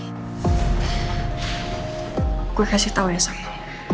saya akan memberitahu kamu